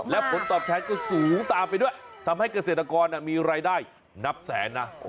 และผลตอบแทนก็สูงตามไปด้วยทำให้เกษตรกรมีรายได้นับแสนนะ